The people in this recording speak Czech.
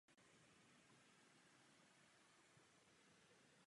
Na dolním toku je umístěna malá vodní elektrárna.